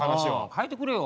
変えてくれよ。